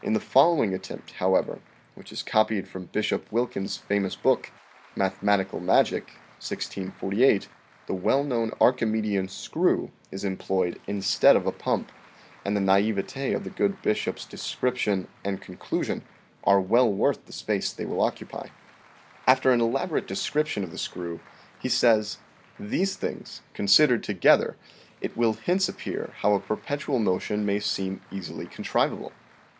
In the following attempt, however, which is copied from Bishop Wilkins' famous book, "Mathematical Magic" (1648), the well known Archimedean screw is employed instead of a pump, and the nai'vete of the good bishop's description and con clusion are well worth the space they will occupy. After an elaborate description of the screw, he says : "These things, considered together, it will hence appear how a perpetual motion may seem easily contrivable.